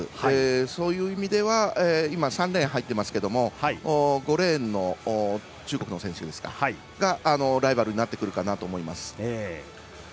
そういう意味では今３レーン入ってますけど５レーンの中国の選手が、ライバルになってくるかなと思います。